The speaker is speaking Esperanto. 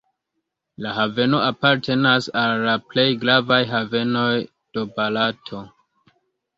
La haveno apartenas al la plej gravaj havenoj de Barato.